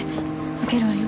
開けるわよ。